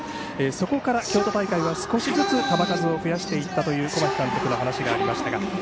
そこから京都大会は少しずつ球数を増やしていったという小牧監督のお話がありました。